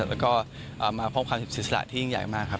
แล้วก็มาพร้อมความศิษย์สละที่ยิ่งใหญ่มากครับ